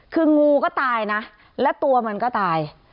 คืองูก็ตายนะและตัวมันก็ตาย